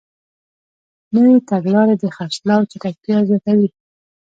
نوې تګلارې د خرڅلاو چټکتیا زیاتوي.